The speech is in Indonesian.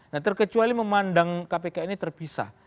nah terkecuali memandang kpk ini terpisah